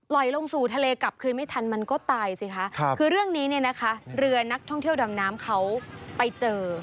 ลงสู่ทะเลกลับคืนไม่ทันมันก็ตายสิคะคือเรื่องนี้เนี่ยนะคะเรือนักท่องเที่ยวดำน้ำเขาไปเจอ